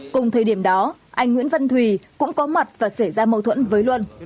cùng thời điểm đó anh nguyễn văn thùy cũng có mặt và xảy ra mâu thuẫn với luân